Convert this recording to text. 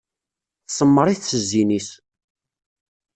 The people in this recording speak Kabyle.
Tsemmeṛ-it s zzin-is.